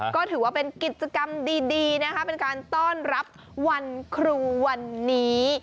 ก็ถือว่าเป็นกิจกรรมดีนะคะเป็นการต้อนรับวันครูวันนี้